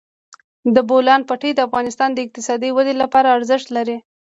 د بولان پټي د افغانستان د اقتصادي ودې لپاره ارزښت لري.